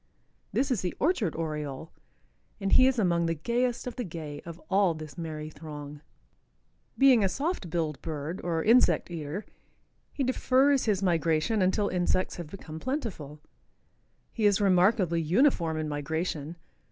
This is the Orchard Oriole, and he is among the gayest of the gay of all this merry throng. Being a soft billed bird, or insect eater, he defers his migration until insects have become plentiful. He is remarkably uniform in migration.